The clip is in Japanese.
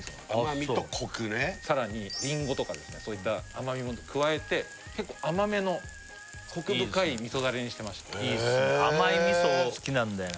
甘みとコクねさらにりんごとかそういった甘みも加えて結構甘めのコク深い味噌ダレにしてましていいっすね甘い味噌好きなんだよな